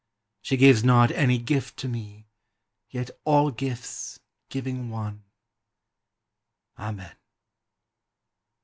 She gives not any gift to me Yet all gifts, giving one.... Amen.